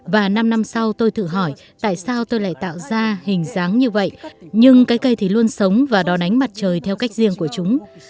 và năm năm sau tôi thử hỏi tại sao tôi lại tạo ra hình dáng như vậy nhưng cái cây thì luôn sống và đón ánh mặt trời theo cách riêng của chúng